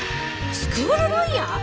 スクールロイヤー？